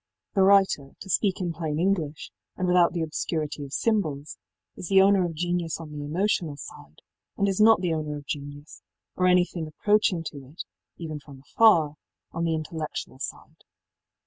The writer, to speak in plain English, and without the obscurity of symbols, is the owner of genius on the emotional side, and is not the owner of genius, or anything approaching to it, even from afar, on the intellectual side.